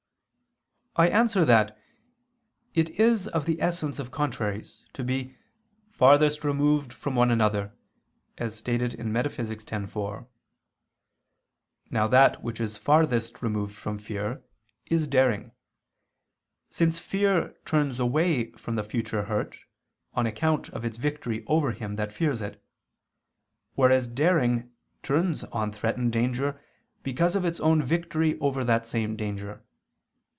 I answer that, It is of the essence of contraries to be "farthest removed from one another," as stated in Metaph. x, 4. Now that which is farthest removed from fear, is daring: since fear turns away from the future hurt, on account of its victory over him that fears it; whereas daring turns on threatened danger because of its own victory over that same danger.